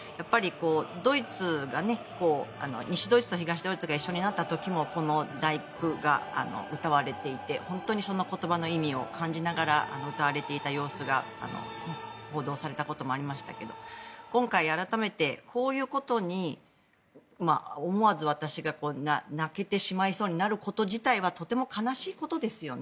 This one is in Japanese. ドイツが西ドイツと東ドイツが一緒になった時もこの「第九」が歌われていて本当にその言葉の意味を感じながら、歌われていた様子が報道されたこともありましたが今回、改めてこういうことに思わず私が泣けてしまいそうになること自体はとても悲しいことですよね。